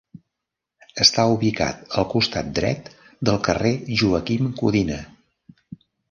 Està ubicat al costat dret del carrer Joaquim Codina.